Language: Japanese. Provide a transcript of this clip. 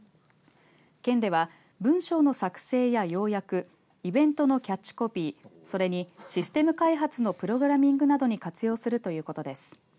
県では、文書の作成や要約イベントのキャッチコピーそれにシステム開発のプログラミングなどに活用するということです。